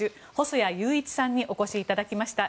細谷雄一さんにお越しいただきました。